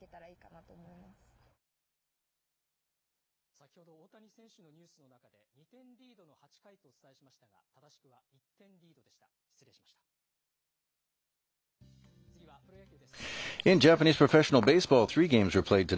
先ほど、大谷選手のニュースの中で、２点リードの８回とお伝えしましたが、正しくは１点リードでした。